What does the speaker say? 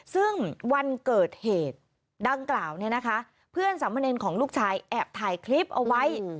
ซึ่งวันเกิดเหตุดังกล่าวเนี่ยนะคะเพื่อนสามเณรของลูกชายแอบถ่ายคลิปเอาไว้